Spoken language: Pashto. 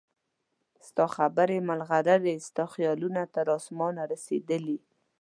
ستا خبرې مرغلرې ستا خیالونه تر اسمانه رسیدلي